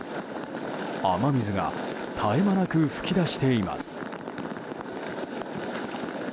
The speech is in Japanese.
雨水が絶え間なく噴き出しています。